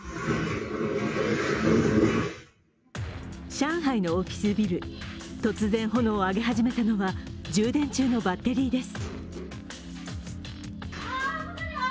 上海のオフィスビル、突然、炎を上げ始めたのは充電中のバッテリーです。